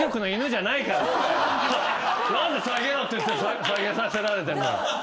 何で下げろって言って下げさせられてんのよ。